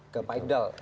oke pak iddal